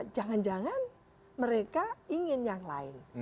jangan jangan mereka ingin yang lain